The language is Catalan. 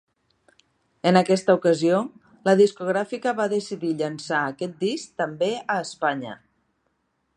En aquesta ocasió, la discogràfica va decidir llançar aquest disc també a Espanya.